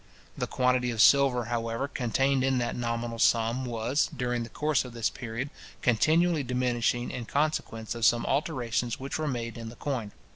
The quantity of silver, however, contained in that nominal sum was, during the course of this period, continually diminishing in consequence of some alterations which were made in the coin.